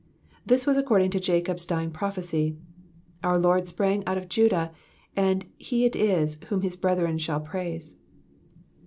This was according to Jacob's dying prophecy. Our Lord sprang out of Judah. and he it is whom his brethren shall praise.